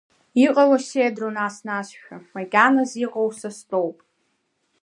Иҟало сеидру нас-насшәа, макьаназ иҟоу са стәоуп.